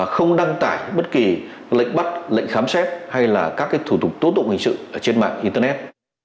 không đăng tải bất kỳ lệnh bắt lệnh khám xét hay là các thủ tục tố tụng hình sự trên mạng internet